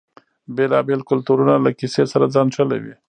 بیلابیل کلتورونه له کیسې سره ځان نښلوي.